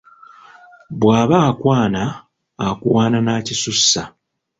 Bw'aba akwana akuwaana n'akisussa.